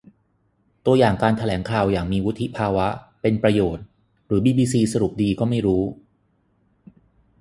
ตัวอย่างการแถลงข่าวอย่างมีวุฒิภาวะ เป็นประโยชน์ หรือบีบีซีสรุปดีก็ไม่รู้